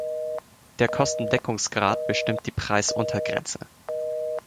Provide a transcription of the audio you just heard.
Der Kostendeckungsgrad bestimmt die Preisuntergrenze.